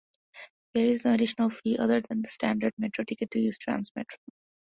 There is no additional fee, other than the standard Metro Ticket, to use Transmetro.